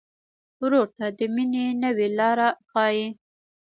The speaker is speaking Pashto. ورور ته د مینې نوې لاره ښيي.